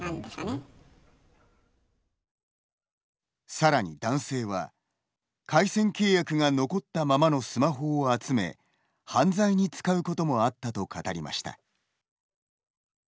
更に男性は回線契約が残ったままのスマホを集め犯罪に使うこともあったと語りました。